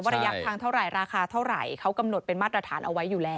ระยะทางเท่าไหร่ราคาเท่าไหร่เขากำหนดเป็นมาตรฐานเอาไว้อยู่แล้ว